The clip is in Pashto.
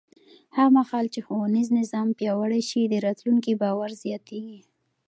هغه مهال چې ښوونیز نظام پیاوړی شي، د راتلونکي باور زیاتېږي.